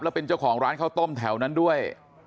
แล้วเป็นเจ้าของร้านข้าวต้มแถวนั้นด้วย